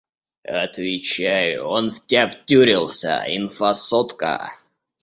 Отвечаю, он в тя втюрился, инфа сотка.